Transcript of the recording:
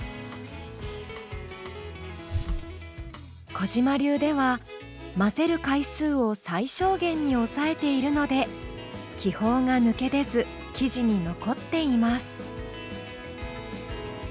小嶋流では混ぜる回数を最小限に抑えているので気泡が抜け出ず生地に残っています。